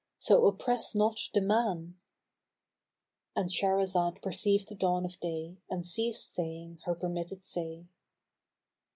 So oppress not the man;"—And Shahrazad perceived the dawn of day and ceased saying her permitted say.